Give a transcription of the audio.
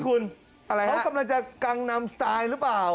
คุณอะไรเขากำลังจะกังนำสไตล์หรือเปล่า